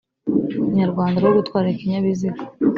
nyarwanda rwo gutwara ikinyabiziga